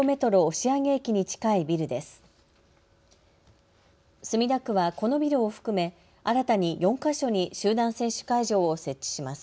墨田区はこのビルを含め新たに４か所に集団接種会場を設置します。